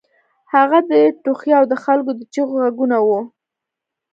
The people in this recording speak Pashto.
هلته د ټوخي او د خلکو د چیغو غږونه وو